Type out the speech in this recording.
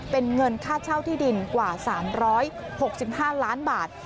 เป็นเงินค่าเช่าที่ดินกว่า๓๖๕ล้านบาท